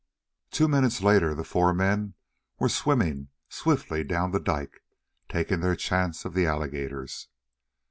Two minutes later the four men were swimming swiftly down the dike, taking their chance of the alligators.